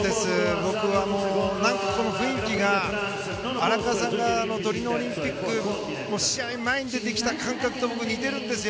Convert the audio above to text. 僕はもうこの雰囲気が荒川さんがトリノオリンピック試合前に出てきた感覚と似ているんですよ。